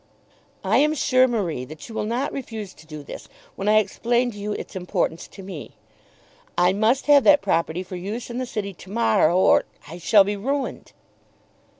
"I am sure, Marie, that you will not refuse to do this when I explain to you its importance to me. I must have that property for use in the city to morrow, or I shall be ruined."